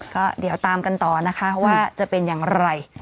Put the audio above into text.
ก็เดี๋ยวตามกันต่อนะคะว่าจะเป็นอย่างไร